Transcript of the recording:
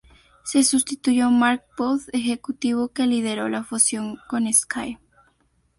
Le sustituyó Mark Booth, ejecutivo que lideró la fusión con Sky.